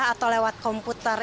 atau lewat komputer